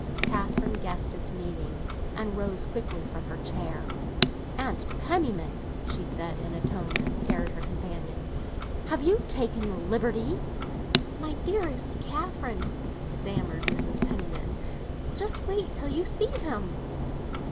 Catherine guessed its meaning, and rose quickly from her chair. "Aunt Penniman," she said, in a tone that scared her companion, "have you taken the liberty ...?" "My dearest Catherine," stammered Mrs. Penniman, "just wait till you see him!"